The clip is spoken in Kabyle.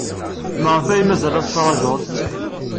Maɣef ay mazal la tettṛajud?